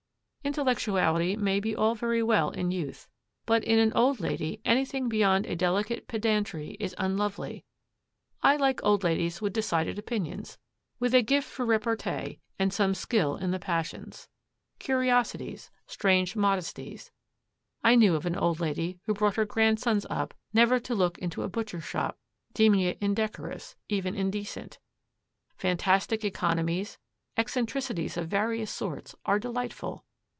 Intellectuality may be all very well in youth, but in an old lady anything beyond a delicate pedantry is unlovely. I like old ladies with decided opinions, with a gift for repartee and some skill in the passions. Curiosities, strange modesties, I knew of an old lady who brought her grandsons up never to look into a butcher's shop, deeming it indecorous, even indecent, fantastic economies, eccentricities of various sorts, are delightful.